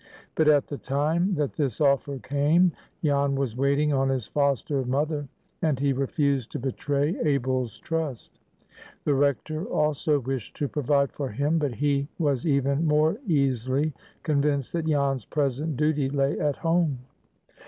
But, at the time that this offer came, Jan was waiting on his foster mother, and he refused to betray Abel's trust. The Rector also wished to provide for him, but he was even more easily convinced that Jan's present duty lay at home.